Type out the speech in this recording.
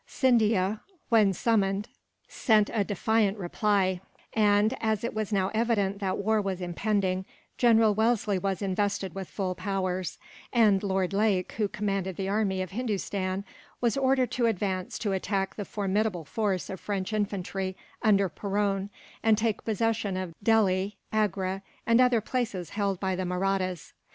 Scindia, when summoned, sent a defiant reply and, as it was now evident that war was impending, General Wellesley was invested with full powers; and Lord Lake, who commanded the army of Hindustan, was ordered to advance to attack the formidable force of French infantry, under Perron, and take possession of Delhi, Agra, and other places held by the Mahrattas.